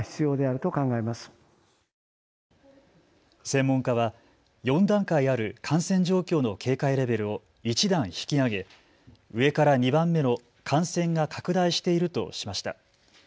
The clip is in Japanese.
専門家は４段階ある感染状況の警戒レベルを１段引き上げ、上から２番目の感染が拡大しているとしました。